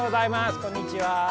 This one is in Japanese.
こんにちは。